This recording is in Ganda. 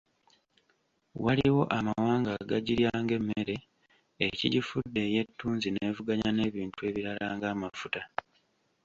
Waliwo amawanga agagirya ng’emmere ekigifudde eyettunzi n’evuganya n’ebintu ebirala ng’amafuta.